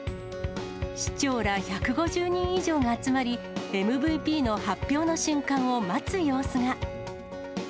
市長ら１５０人以上が集まり、ＭＶＰの発表の瞬間を待つ様子が。